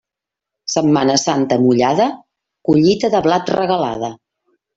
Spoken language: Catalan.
Setmana Santa mullada, collita de blat regalada.